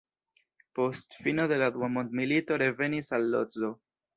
Post fino de la dua mondmilito revenis al Lodzo.